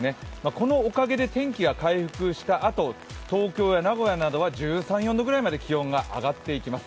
このおかげで天気が回復したあと、東京や名古屋では１３１４度ぐらいまで気温が上がっていきます。